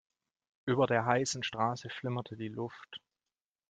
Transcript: Über der heißen Straße flimmerte die Luft.